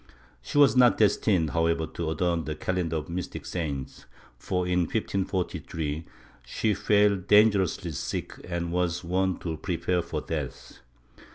She was not destined however to adorn the calendar of mystic saints for, in 1543, she fell danger ously sick and was warned to prepare for death.